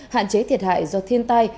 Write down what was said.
hạn chế thiệt hại do thiên tai